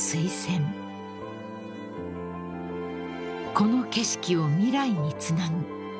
［この景色を未来につなぐ］